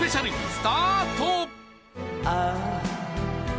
スタート